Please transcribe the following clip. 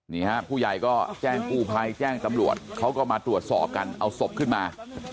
นี่ฮะผู้ใหญ่ก็แจ้งกู้ภัยแจ้งตำรวจเขาก็มาตรวจสอบกันเอาศพขึ้นมา